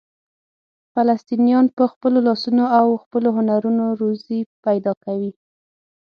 فلسطینیان په خپلو لاسونو او خپلو هنرونو روزي پیدا کوي.